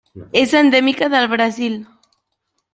És endèmica de Brasil.